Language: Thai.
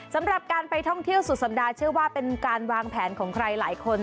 สำหรับการไปท่องเที่ยวสุดสัปดาห์เชื่อว่าเป็นการวางแผนของใครหลายคน